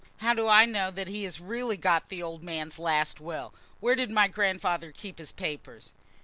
How do I know that he has really got the old man's last will? Where did my grandfather keep his papers?"